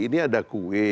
ini ada kue